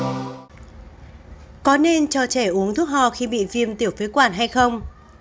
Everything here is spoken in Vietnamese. các bạn có nên cho trẻ uống thuốc ho khi bị viêm tiểu phế quản hay không